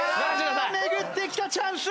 さあ巡ってきたチャンス！